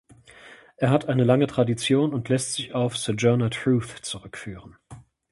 Er hat eine lange Tradition und lässt sich auf Sojourner Truth zurückführen.